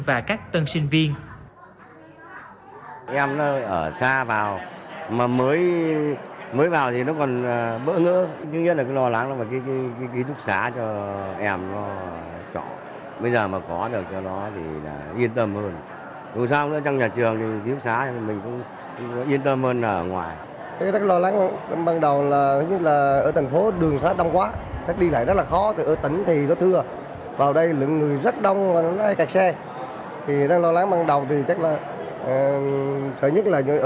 và các tân sinh viên